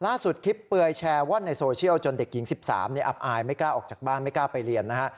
คลิปเปลือยแชร์ว่อนในโซเชียลจนเด็กหญิง๑๓อับอายไม่กล้าออกจากบ้านไม่กล้าไปเรียนนะฮะ